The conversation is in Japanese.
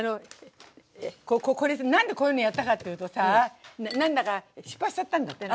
これ何でこういうのやったかっていうとさ何だか失敗しちゃったんだって？